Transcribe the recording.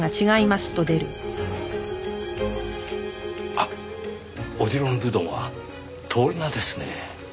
あっオディロン・ルドンは通り名ですね。